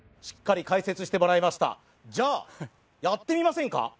しっかり解説してもらいましたじゃやってみませんか？